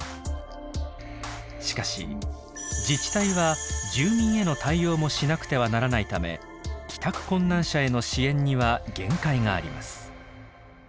しかし自治体は住民への対応もしなくてはならないため帰宅困難者への支援には限界があります。